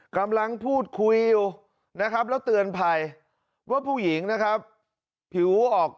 กำลังพูดคุยอยู่นะครับแล้วเตือนภัยว่าผู้หญิงนะครับผิวออก